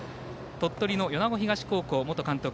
鳥取の米子東高校元監督